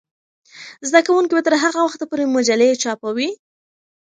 زده کوونکې به تر هغه وخته پورې مجلې چاپوي.